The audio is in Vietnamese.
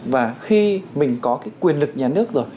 và khi mình có cái quyền lực nhà nước rồi